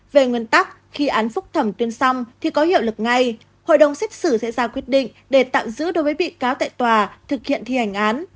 về nguyên tắc khi án phúc thẩm tuyên xong thì có hiệu lực ngay hội đồng xét xử sẽ ra quyết định để tạm giữ đối với bị cáo tại tòa thực hiện thi hành án